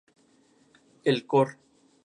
El Cor.